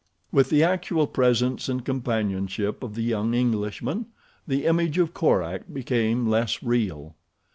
With the actual presence and companionship of the young Englishman the image of Korak became less real.